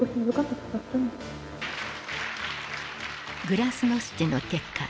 グラスノスチの結果